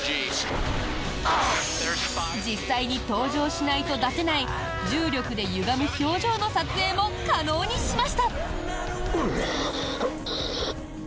実際に搭乗しないと出せない重力でゆがむ表情の撮影も可能にしました！